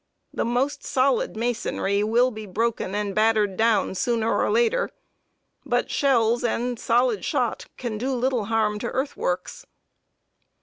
The most solid masonry will be broken and battered down sooner or later, but shells and solid shot can do little harm to earthworks.